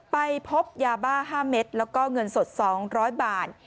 ไปพบยาบ้า๕เม็ดแล้วก็เงินสด๒๐๐บาท